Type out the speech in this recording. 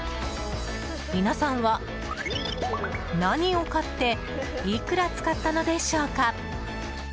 皆さんは何を買っていくら使ったのでしょうか？